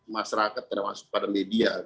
masyarakat tidak masuk pada media